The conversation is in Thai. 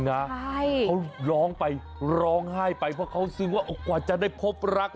เขาร้องไปร้องไห้ไปเพราะเขาซึ้งว่ากว่าจะได้พบรัก